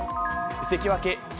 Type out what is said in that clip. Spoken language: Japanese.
関脇・霧